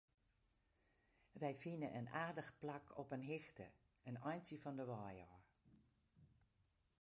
Wy fine in aardich plak op in hichte, in eintsje fan 'e wei ôf.